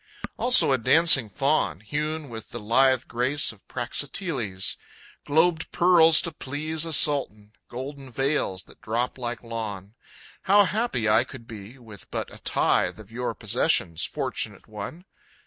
Also a Dancing Faun, Hewn with the lithe grace of Praxiteles; Globed pearls to please A sultan; golden veils that drop like lawn How happy I could be with but a tithe Of your possessions, fortunate one!